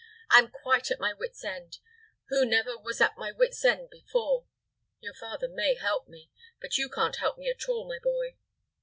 "I am quite at my wit's end, who never was at my wit's end before. Your father may help me; but you can't help at all, my boy."